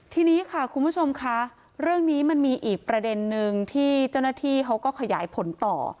ทีนี้ค่ะคุณผู้ชมค่ะเรื่องนี้มันมีอีกประเด็นนึงที่เจ้าหน้าที่เขาก็ขยายผลต่อ